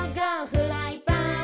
フライパン！」